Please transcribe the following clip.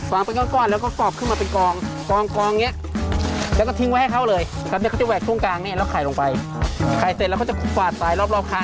ส่วนมากเราจะใช้ฝั่งฝั่งเป็นก้อน